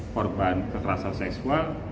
korban kekerasan seksual